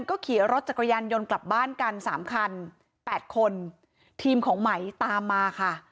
ก็ขี่รถจักรยานยนต์กลับบ้านกันสามคันแปดคนทีมของไหมตามมาค่ะ